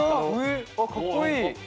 あっかっこいい。